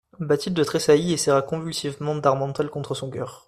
Bathilde tressaillit et serra convulsivement d'Harmental contre son coeur.